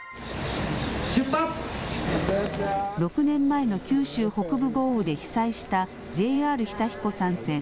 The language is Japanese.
６年前の九州北部豪雨で被災したＪＲ日田彦山線。